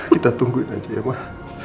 kita tungguin aja ya wah